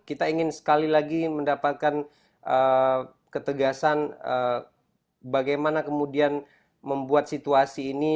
kita ingin sekali lagi mendapatkan ketegasan bagaimana kemudian membuat situasi ini